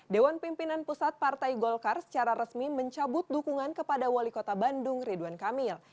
dewan pimpinan pusat partai golkar secara resmi mencabut dukungan kepada wali kota bandung ridwan kamil